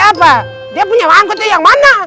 apa dia punya angkutnya yang mana